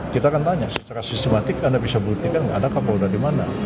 kita akan tanya secara sistematik anda bisa buktikan nggak ada kapolda di mana